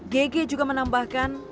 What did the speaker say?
gege juga menambahkan